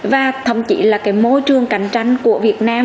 và thậm chí là cái môi trường cạnh tranh của việt nam